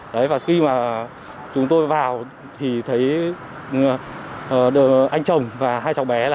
đấy và khi mà chúng tôi vào thì thấy anh chồng và hai cháu bé là